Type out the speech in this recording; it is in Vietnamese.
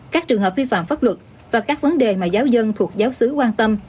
các trường hợp vi phạm pháp luật và các vấn đề mà giáo dân thuộc giáo sứ quan tâm